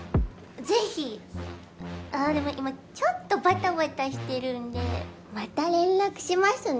是非あぁでも今ちょっとばたばたしてるんでまた連絡しますねじゃ